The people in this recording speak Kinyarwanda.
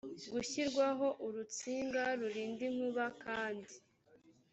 gushyirwaho urutsinga rurinda inkuba kandi